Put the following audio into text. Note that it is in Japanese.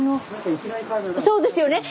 そうですよね。